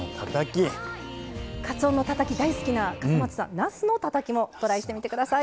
かつおのたたき大好きな笠松さんなすのたたきもトライしてみてください。